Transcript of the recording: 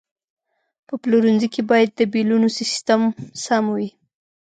په پلورنځي کې باید د بیلونو سیستم سم وي.